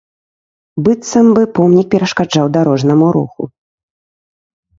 Быццам бы помнік перашкаджаў дарожнаму руху.